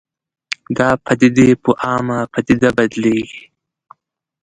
دا پدیدې په عامه پدیده بدلېږي